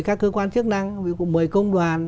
các cơ quan chức năng mời công đoàn